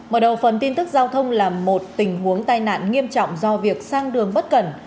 mở đầu phần tin tức giao thông là một tình huống tai nạn nghiêm trọng do việc sang đường bất cẩn